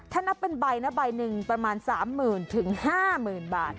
ถ้านับเป็นใบนะใบหนึ่งประมาณ๓๐๐๐๕๐๐๐บาท